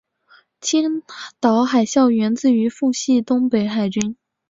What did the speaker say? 青岛海校源自于奉系东北海军。